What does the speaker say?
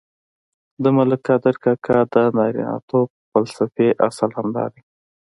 د ملک قادر کاکا د نارینتوب فلسفې اصل هم دادی.